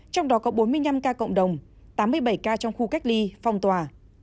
trong đó có bốn mươi năm ca cộng đồng tám mươi bảy ca trong khu cách ly phòng tòa